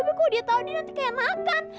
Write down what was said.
tapi kok dia tau ini nanti kayak makan